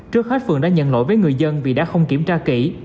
trước hết phường đã nhận lỗi với người dân vì đã không kiểm tra kỹ